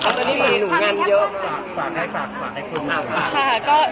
ตัดตัวนี้หนูงานเยอะ